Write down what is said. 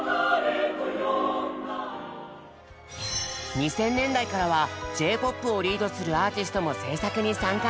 ２０００年代からはＪ−ＰＯＰをリードするアーティストも制作に参加。